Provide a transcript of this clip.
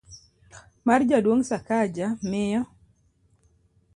mar Jaduong' Sakaja, miyo